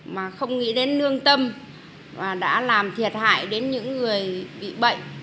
mà không nghĩ đến nương tâm và đã làm thiệt hại đến những người bị bệnh